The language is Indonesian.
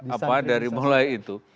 apa dari mulai itu